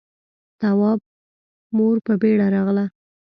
تواب مور په بيړه راغله.